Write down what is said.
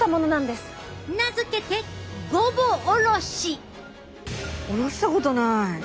名付けて「ごぼおろし」！おろしたことない。